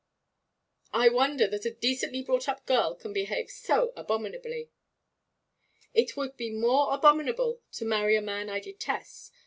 'I wonder that a decently brought up girl can behave so abominably.' 'It would be more abominable to marry a man I detest.